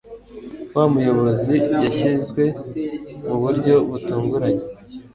Wa muyobizi yashyizwe mu buryo butunguranye.